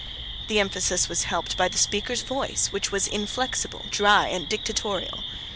The emphasis was helped by the speaker's voice, which was inflexible, dry, and dictatorial.